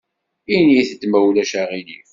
Init-d ma ulac aɣilif.